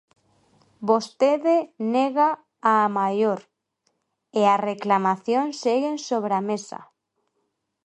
Vostede nega a maior, e as reclamacións seguen sobre a mesa.